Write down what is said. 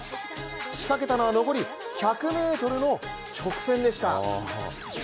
仕掛けたのは残り１００ｍの直線でした。